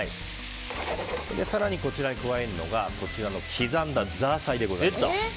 更に、こちらに加えるのが刻んだザーサイでございます。